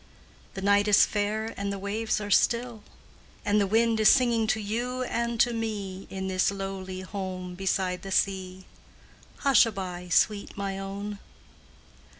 The night is fair, and the waves are still, And the wind is singing to you and to me In this lowly home beside the sea Hushaby, sweet my own!